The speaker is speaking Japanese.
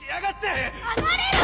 離れろ！